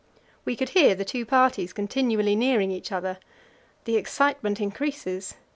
We could hear the two parties continually nearing each other. The excitement increases.